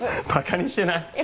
バカにしてない？